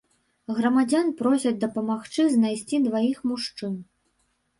Грамадзян просяць дапамагчы знайсці дваіх мужчын.